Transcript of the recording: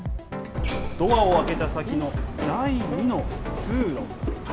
ドアを開けた先の第２の通路。